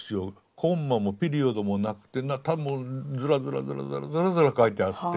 コンマもピリオドもなくてただもうズラズラズラズラズラズラ書いてあって。